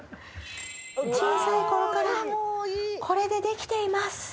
小さい頃からこれでできています私は。